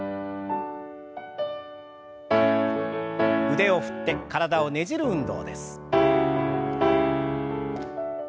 腕を振って体をねじる運動です。